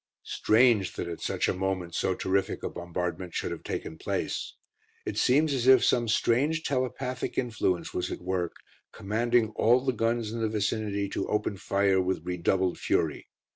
Strange that at such a moment so terrific a bombardment should have taken place. It seems as if some strange telepathic influence was at work, commanding all the guns in the vicinity to open fire with redoubled fury.